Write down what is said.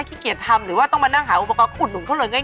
ขีเกียจทำหรือว่าต้องมานั่งหาอุปกรณ์อุดหนุนเขาเลยง่าย